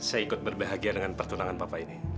saya ikut berbahagia dengan pertunangan papa ini